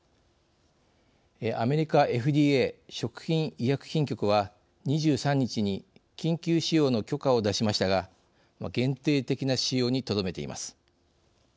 アメリカＦＤＡ食品医薬品局は２３日に緊急使用の許可を出しましたが限定的な使用にとどめています。